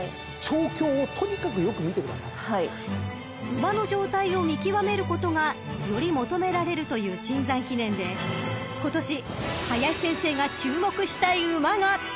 ［馬の状態を見極めることがより求められるというシンザン記念で今年林先生が注目したい馬が］